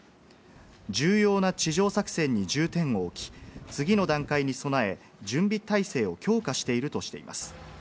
重要な地上作戦に重点を置き、次の段階に備え、準備態勢を強化しているとしています。